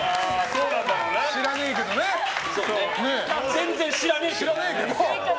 全然知らねえけど。